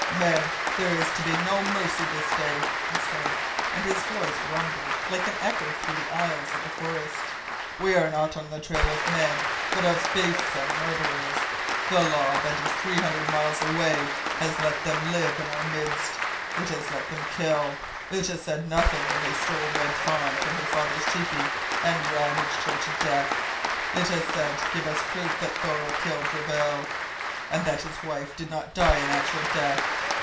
"Men, there is to be no mercy this day!" he said, and his voice rumbled like an echo through the aisles of the forest. "We are not on the trail of men, but of beasts and murderers. The Law that is three hundred miles away has let them live in our midst. It has let them kill. It said nothing when they stole Red Fawn from her father's tepee and ravaged her to death. It has said: 'Give us proof that Thoreau killed Reville, and that his wife did not die a natural death.'